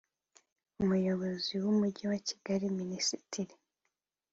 Umuyobozi w Umujyi wa Kigali Minisitiri